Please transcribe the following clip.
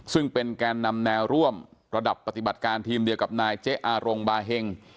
ซึ่งเป็นแกนนำแนวร่วมระดับปฏิบัติการทีมเดียวกับนายเจ๊อารงบาเฮง